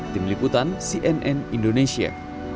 tim liputan cnn indonesia